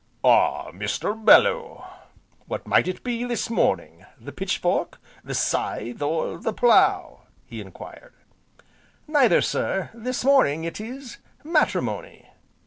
"Ah, Mr. Bellew! what might it be this morning, the pitchfork the scythe, or the plough?" he enquired. "Neither, sir, this morning it is matrimony!"